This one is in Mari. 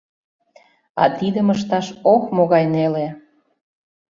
А тидым ышташ ох могай неле!